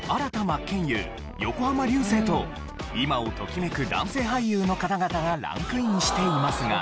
真剣佑横浜流星と今をときめく男性俳優の方々がランクインしていますが。